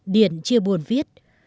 điện chia buồn viết